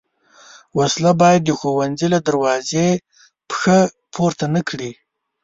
وسله باید د ښوونځي له دروازې پښه پورته نه کړي